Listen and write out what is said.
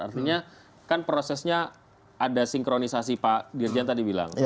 artinya kan prosesnya ada sinkronisasi pak dirjen tadi bilang